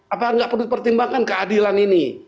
apakah tidak perlu dipertimbangkan keadilan ini